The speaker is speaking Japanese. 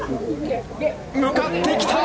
向かってきた！